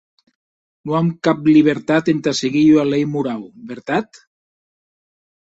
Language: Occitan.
Non an cap libertat entà seguir ua lei morau, vertat?